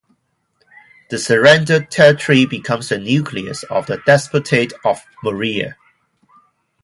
The surrendered territory became the nucleus of the Despotate of Morea.